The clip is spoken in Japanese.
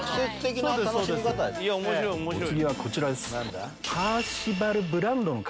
お次はこちらです。